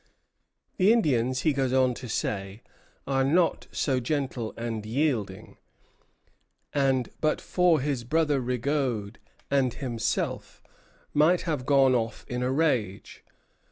The Indians, he goes on to say, are not so gentle and yielding; and but for his brother Rigaud and himself, might have gone off in a rage.